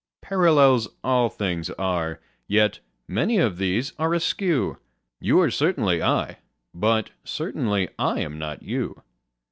Parallels all things are: yet many of these are askew: You are certainly I: but certainly I am not you.